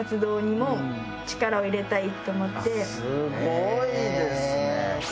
すごいですね。